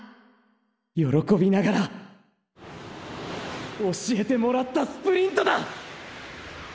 喜びながらーー教えてもらったスプリントだ！！